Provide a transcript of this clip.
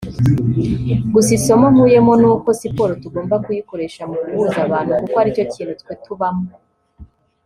gusa isomo nkuyemo ni uko siporo tugomba kuyikoresha mu guhuza abantu kuko aricyo kintu twe tubamo